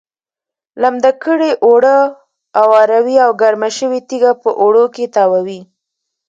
لمده کړې اوړه اواروي او ګرمه شوې تیږه په اوړو کې تاووي.